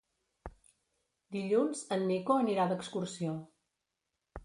Dilluns en Nico anirà d'excursió.